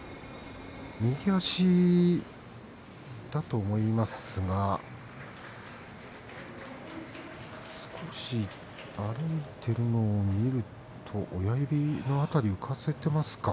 右足だと思いますが少し歩いているのを見ると親指の辺りを浮かせていますか。